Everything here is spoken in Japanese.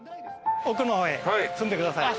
奥の方へ進んでください。